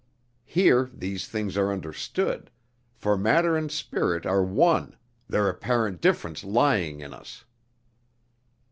Here these things are understood; for matter and spirit are one, their apparent difference lying in us."